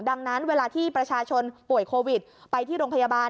ดังนั้นเวลาที่ประชาชนป่วยโควิดไปที่โรงพยาบาล